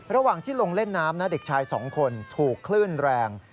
ระหว่างที่ลงเล่นน้ำนะเด็กชาย๒คนถูกคลื่นแรง